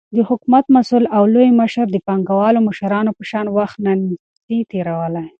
دحكومت مسؤل او لوى مشر دپانگوالو مشرانو په شان وخت نسي تيرولاى،